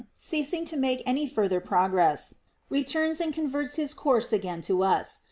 ceasing to make any further progress, returns and con verts his course again to us.